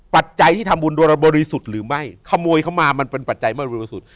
ปัจจัยที่ทำบุญโดยเราบริสุทธิ์หรือไม่ขโมยเข้ามามันเป็นปัจจัยไม่บริสุทธิ์